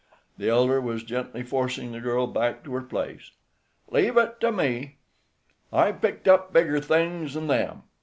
The elder was gently forcing the girl back to her place. "Leave it to me. I've picked up bigger things 'n them.